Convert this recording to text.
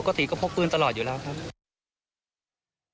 ปกติก็พกปืนตลอดอยู่แล้วครับ